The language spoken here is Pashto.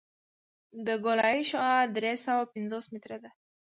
د ګولایي شعاع درې سوه پنځوس متره ده